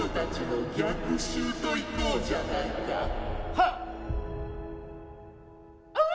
はっ！